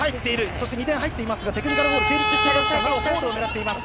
そして２点入っていますがテクニカルフォール成立していますがなおフォールを狙っています。